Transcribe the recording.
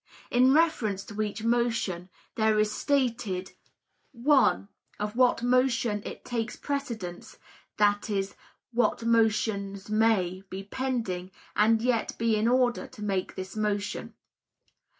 In reference to each motion there is stated: (1) Of what motions it takes precedence (that is, what motions may, be pending, and yet it be in order to make this motion).